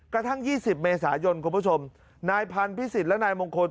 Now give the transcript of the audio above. กระทั่ง๒๐เมษายนคุณผู้ชมนายพันธ์พิสิทธิ์และนายมงคล